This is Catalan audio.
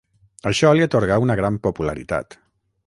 Això li atorgà una gran popularitat.